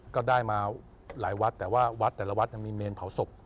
ก็ได้มาหลายวัดแต่ว่าวัดแต่ละวัดยังมีเมนเผาศพ